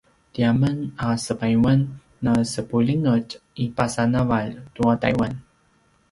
tiamen a sepayuan na sepulingetj i pasa navalj tua taiwan